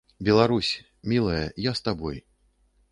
Беларусь, мілая, я з табой.